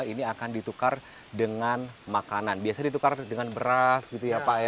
ini akan ditukar dengan makanan biasa ditukar dengan beras gitu ya pak ya